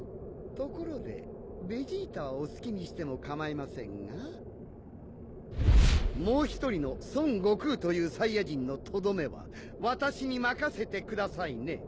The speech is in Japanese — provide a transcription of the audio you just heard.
ところでベジータはお好きにしてもかまいませんがもう一人の孫悟空というサイヤ人のとどめは私に任せてくださいね。